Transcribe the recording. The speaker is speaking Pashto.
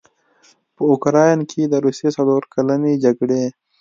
په اوکراین کې د روسیې څلورکلنې جګړې